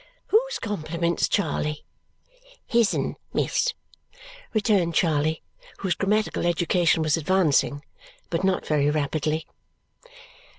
"Whose compliments, Charley?" "His'n, miss," returned Charley, whose grammatical education was advancing, but not very rapidly.